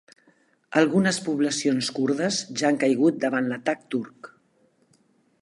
Algunes poblacions kurdes ja han caigut davant l'atac turc